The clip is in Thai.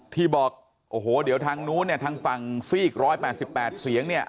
ที่บอกโอ้โหเดี๋ยวทางนู้นเนี่ยทางฝั่งซีก๑๘๘เสียงเนี่ย